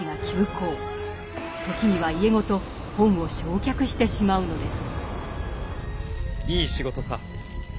時には家ごと本を焼却してしまうのです。